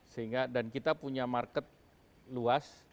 sehingga dan kita punya market luas